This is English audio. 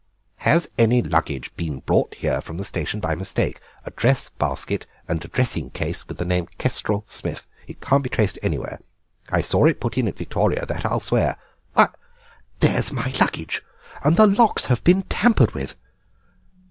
"Has any luggage been brought here from the station by mistake, a dress basket and dressing case, with the name Kestrel Smith? It can't be traced anywhere. I saw it put in at Victoria, that I'll swear. Why—there is my luggage! and the locks have been tampered with!"